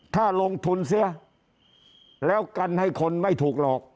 ถ้าลงทุนเสียแล้วกันให้คนไม่ถูกหลอก